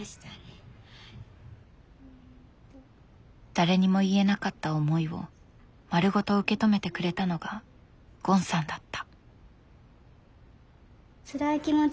誰にも言えなかった思いを丸ごと受け止めてくれたのがゴンさんだった。